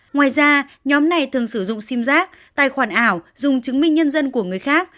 ngoài ra nhóm này thường sử dụng sim giác tài khoản ảo dùng chứng minh nhân dân của người khác